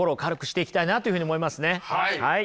はい。